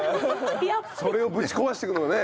それをぶち壊していくのがね。